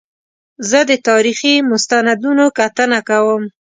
زه د تاریخي مستندونو کتنه کوم.